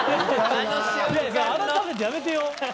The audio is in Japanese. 改めてやめてよ。